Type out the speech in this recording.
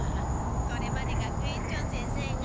これまで学園長先生が。